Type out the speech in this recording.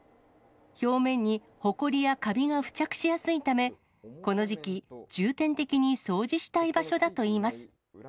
表面にほこりやかびが付着しやすいため、この時期、重点的に掃除したい場所だといいます。